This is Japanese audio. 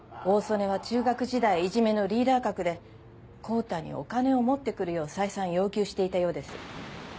大曽根は中学時代いじめのリーダー格で浩太にお金を持ってくるよう再三要求していたようです。